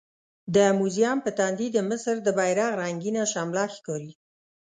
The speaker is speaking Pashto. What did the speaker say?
د موزیم په تندي د مصر د بیرغ رنګینه شمله ښکاري.